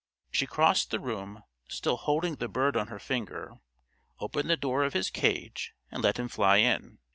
She crossed the room, still holding the bird on her finger, opened the door of his cage, and let him fly in.